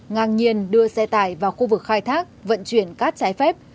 ngang nhiên đưa xe tải vào khu vực khai thác vận chuyển cát trái phép